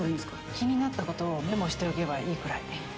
気になったことをメモしておけばいいくらい。